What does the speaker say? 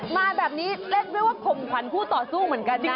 ไม่แน่มาแบบนี้เล่นไม่ว่าขมขวัญผู้ต่อสู้เหมือนกันนะ